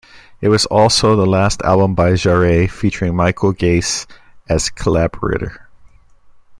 It was also the last album by Jarre featuring Michel Geiss as collaborator.